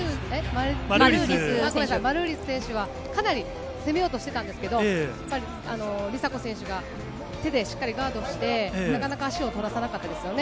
マルーリス選手は、かなり攻めようとしてたんですけれども、やっぱり梨紗子選手が手でしっかりガードして、なかなか足を取らさなかったですよね。